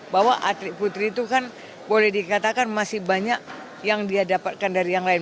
bahwa atlet putri itu kan boleh dikatakan masih banyak yang dia dapatkan dari yang lain